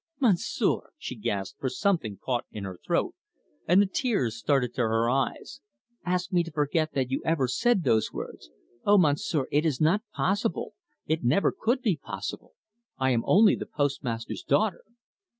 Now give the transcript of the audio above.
"Monsieur," she gasped, for something caught her in the throat, and the tears started to her eyes, "ask me to forget that you have ever said those words. Oh, Monsieur, it is not possible, it never could be possible! I am only the postmaster's daughter."